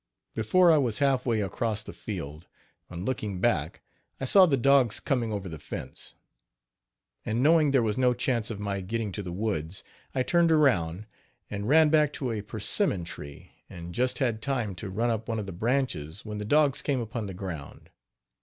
Before I was half way across the field, on looking back, I saw the dogs coming over the fence, and knowing there was no chance of my getting to the woods, I turned around, and ran back to a persimmon tree, and just had time to run up one of the branches when the dogs came upon the ground.